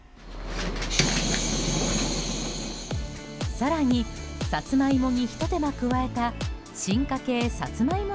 更に、サツマイモにひと手間加えた進化系サツマイモ